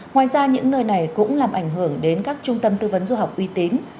ngoài ra những nơi này cũng làm ảnh hưởng đến các trung tâm tư vấn du học uy tín